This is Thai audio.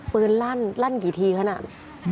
ปืนลั่นลั่นกี่ทีค่อนนั้น